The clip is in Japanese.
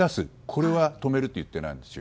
これは止めるといってないです。